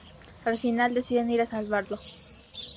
Al final deciden ir a salvarlo.